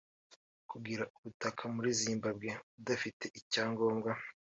Kugira ubutaka muri Zimbabwe udafite icyangombwa